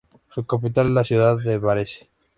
Su capital es la ciudad de Varese.